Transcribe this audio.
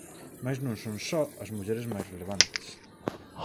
Mais non son só as mulleres máis relevantes.